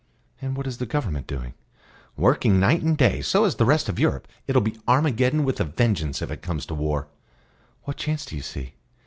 "And what is the Government doing?" "Working night and day; so is the rest of Europe. It'll be Armageddon with a vengeance if it comes to war." "What chance do you see?"